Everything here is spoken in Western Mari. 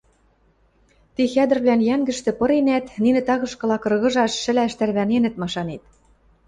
Ти хӓдӹрвлӓн йӓнгӹштӹ пыренӓт, нинӓт тагышкыла кыргыжаш, шӹлӓш тӓрвӓненӹт машанет.